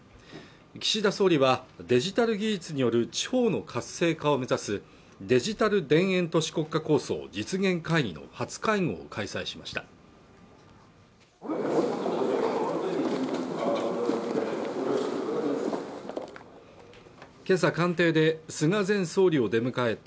岸田総理はデジタル技術による地方の活性化を目指すデジタル田園都市国家構想実現会議の初会合を開催しました